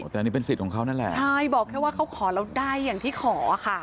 แต่อันนี้เป็นสิทธิ์ของเขานั่นแหละใช่บอกแค่ว่าเขาขอแล้วได้อย่างที่ขอค่ะ